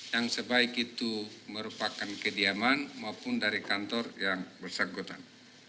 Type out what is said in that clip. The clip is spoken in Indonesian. yang sebaik itu merupakan kediaman maupun dari kantor yang bersangkutan